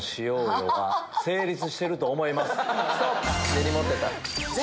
根に持ってた。